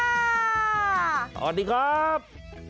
สวัสดีครับ